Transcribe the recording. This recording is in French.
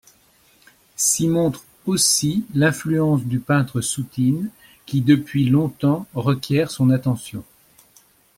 S'y montre aussi l’influence du peintre Soutine qui depuis longtemps requiert son attention.